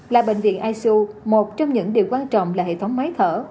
là bệnh viện isu một trong những điều quan trọng là hệ thống máy thở